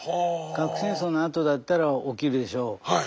核戦争のあとだったら起きるでしょう。